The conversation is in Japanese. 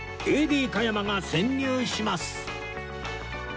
ＡＤ 加山が潜入します！